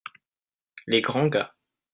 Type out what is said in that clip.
Les grands gars.